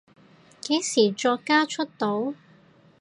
幾時作家出道？